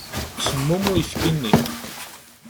Semmum uyefki-nni.